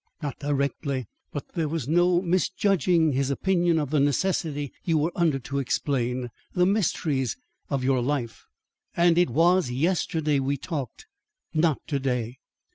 "Not directly; but there was no misjudging his opinion of the necessity you were under to explain, the mysteries of your life. AND IT WAS YESTERDAY WE TALKED; NOT TO DAY."